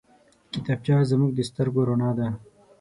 کتابچه زموږ د سترګو رڼا ده